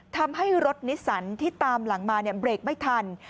ทำให้รถนิสสันที่ตามหลังมาเบรกไม่ทัน